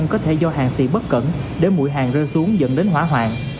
có thể do hàng xị bất cẩn để mũi hàng rơi xuống dẫn đến hóa hoạn